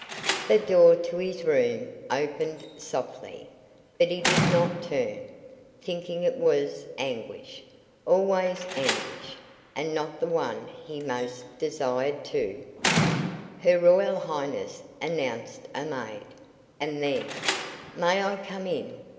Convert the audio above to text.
The door to his room opened softly, but he did not turn, thinking it was Anguish always Anguish and not the one he most desired to "Her Royal Highness," announced a maid, and then "May I come in?"